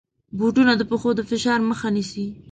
بوټونه د پښو د فشار مخه نیسي.